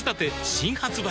新発売